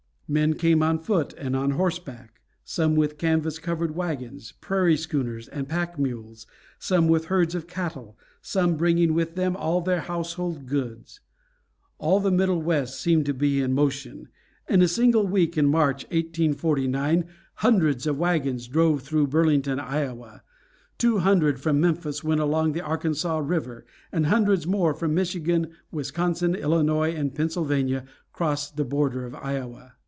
Men came on foot and on horseback; some with canvas covered wagons, prairie schooners, and pack mules; some with herds of cattle; some bringing with them all their household goods. All the Middle West seemed to be in motion. In a single week in March, 1849, hundreds of wagons drove through Burlington, Iowa. Two hundred from Memphis went along the Arkansas River, and hundreds more from Michigan, Wisconsin, Illinois, and Pennsylvania crossed the border of Iowa.